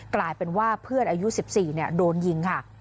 กลายเป็นว่าเพื่อนอายุ๑๔โดนยิงค่ะ